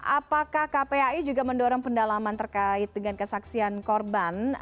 apakah kpai juga mendorong pendalaman terkait dengan kesaksian korban